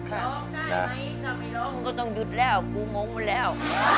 ค่ะได้ไหมจำไว้ร้องมึงก็ต้องหยุดแล้วกูมองหมดแล้ว